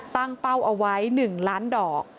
ตั้งเป้าเอาไว้๑ล้านดอก